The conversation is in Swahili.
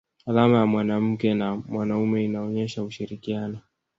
alama ya mwanamke na mwanaume inaonesha ushirikiano